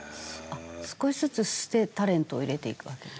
少しずつ捨てタレントを入れていくわけね。